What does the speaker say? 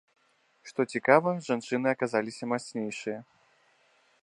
Што цікава, жанчыны аказаліся мацнейшыя.